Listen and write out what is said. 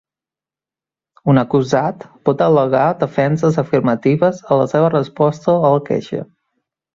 Un acusat pot al·legar defenses afirmatives en la seva resposta a la queixa.